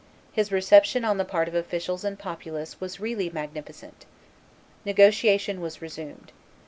His reception on the part of officials and populace was really magnificent. Negotiation was resumed.